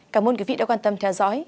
cảm ơn quý vị đã quan tâm theo dõi